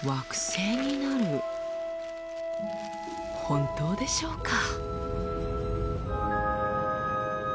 本当でしょうか？